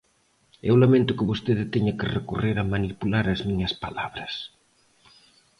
Eu lamento que vostede teña que recorrer a manipular as miñas palabras.